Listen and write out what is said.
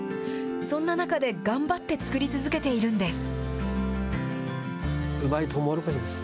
そんな中で頑張って作り続けているんです。